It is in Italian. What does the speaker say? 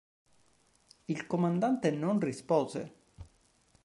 Il comandante non rispose.